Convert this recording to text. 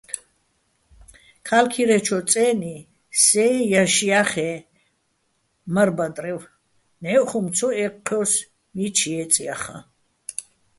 ქა́ლქირეჩო̆ წე́ნი სეჼ ჲაშო̆ ჲა́ხე̆ მარ-ბადრევ, ნჵე́ჸ ხუმ ცო ე́ჴჴჲო́ს, მიჩ ჲე́წე̆ ჲახაჼ.